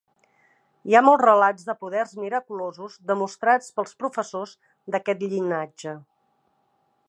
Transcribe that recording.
Hi ha molts relats de poders miraculosos demostrats pels professors d"aquest llinatge.